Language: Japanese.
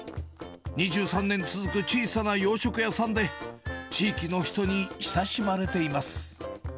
２３年続く小さな洋食屋さんで、地域の人に親しまれています。